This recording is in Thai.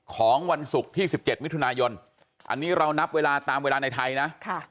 ของวันศุกร์ที่๑๗มิถุนายนอันนี้เรานับเวลาตามเวลาในไทยนะ